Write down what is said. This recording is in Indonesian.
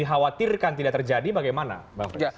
dikhawatirkan tidak terjadi bagaimana